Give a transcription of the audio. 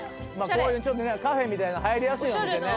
こういうちょっとカフェみたいな入りやすいお店ね